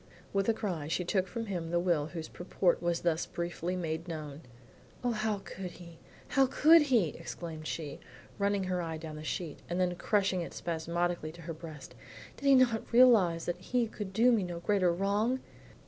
With a cry she took from him the will whose purport was thus briefly made known. "O, how could he, how could he?" exclaimed she, running her eye down the sheet, and then crushing it spasmodically to her breast. "Did he not realize that he could do me no greater wrong?"